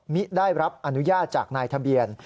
ได้รับอนุญาตจากนายทะเบียน